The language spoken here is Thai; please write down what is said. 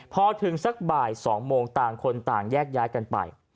พอถึงสักบ่าย๒โมงต่างคนต่างแยกย้ายกันไป